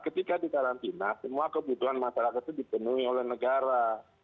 ketika di karantina semua kebutuhan masyarakat itu dipenuhi oleh negara